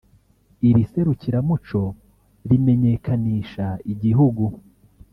Iri serukiramuco rimenyekanisha igihugu